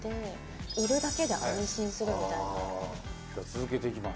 続けていきます。